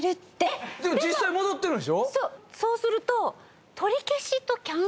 そうすると。